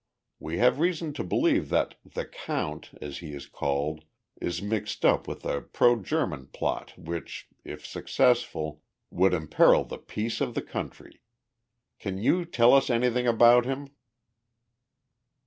We have reason to believe that 'the Count,' as he is called, is mixed up with a pro German plot which, if successful, would imperil the peace of the country. Can you tell us anything about him?"